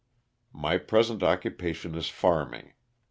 My present occupation is farming.